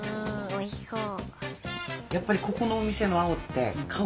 おいしそう。